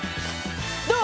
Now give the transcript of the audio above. どう？